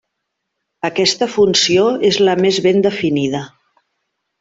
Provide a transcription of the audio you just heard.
Aquesta funció és la més ben definida.